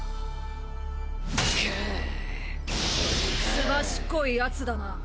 すばしっこいヤツだな。